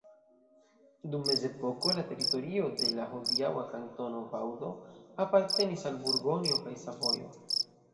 Dum mezepoko la teritorio de la hodiaŭa Kantono Vaŭdo apartenis al Burgonjo kaj Savojo.